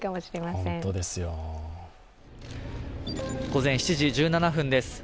午前７時１７分です。